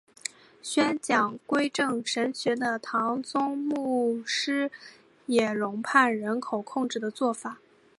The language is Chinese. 宣讲归正神学的唐崇荣牧师也批判人口控制的做法。